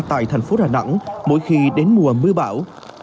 tại thành phố đà nẵng mỗi khi đến mùa mưa bão